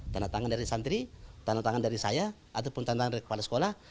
tandatangan dari santri tandatangan dari saya ataupun tandatangan dari kepala sekolah